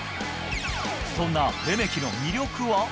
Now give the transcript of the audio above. そんなレメキの魅力は。